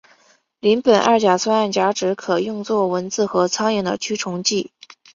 邻苯二甲酸二甲酯可用作蚊子和苍蝇的驱虫剂。